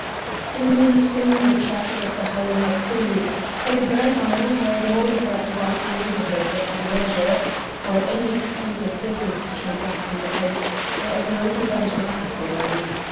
In the afternoon the traffic on the highway had ceased, for the burgh now held all of that wide neighbourhood that had leisure, or any excuse of business to transact in the place where a great event was happening.